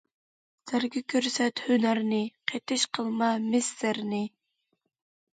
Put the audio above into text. زەرگە كۆرسەت ھۈنەرنى، قېتىش قىلما مىس- زەرنى.